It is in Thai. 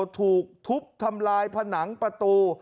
ถูกทุบทำลายผนังประตู